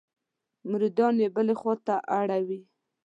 مریدان یې بلې خوا ته اړوي.